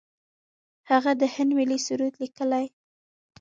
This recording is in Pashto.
هغه د هند ملي سرود لیکلی.